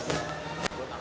setiap badan lo